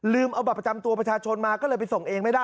เอาบัตรประจำตัวประชาชนมาก็เลยไปส่งเองไม่ได้